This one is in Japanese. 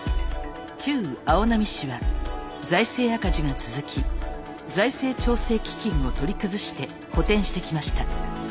旧青波市は財政赤字が続き財政調整基金を取り崩して補填してきました。